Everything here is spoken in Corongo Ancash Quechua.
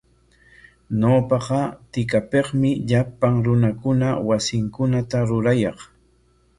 Ñawpaqa tikapikmi llapan runakuna wasinkunata rurayaq.